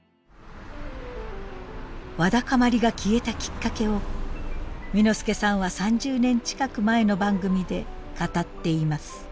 わだかまりが消えたきっかけを簑助さんは３０年近く前の番組で語っています。